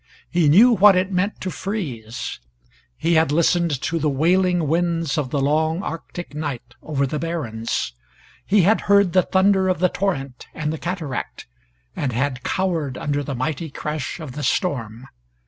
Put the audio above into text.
He knew what it meant to freeze. He had listened to the wailing winds of the long Arctic night over the barrens. He had heard the thunder of the torrent and the cataract, and had cowered under the mighty crash of the storm.